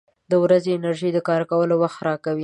• د ورځې انرژي د کار کولو وخت راکوي.